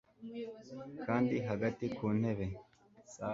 Kandi hagati ku ntebe